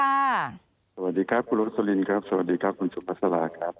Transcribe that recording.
สวัสดีครับคุณโรสลินครับสวัสดีครับคุณสุภาษาราครับ